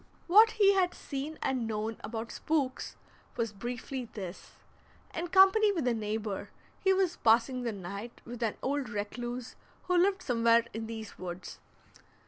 What he had seen and known about spooks was briefly this: In company with a neighbor he was passing the night with an old recluse who lived somewhere in these woods.